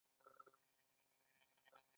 الوتکه د فکر د الوت تمثیل کوي.